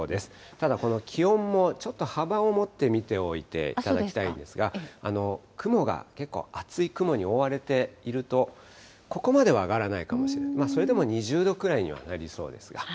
ただ、この気温もちょっと幅を持って見ておいていただきたいんですが、雲が結構厚い雲に覆われていると、ここまでは上がらないかもしれない、それでも２０度くらいにはなりそうですが。